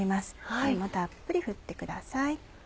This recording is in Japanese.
これもたっぷり振ってください。